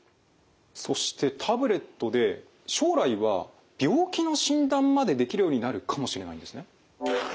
そしてタブレットで将来は病気の診断までできるようになるかもしれないんですね。